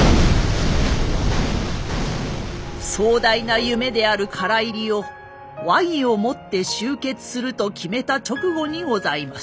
壮大な夢である唐入りを和議をもって終結すると決めた直後にございました。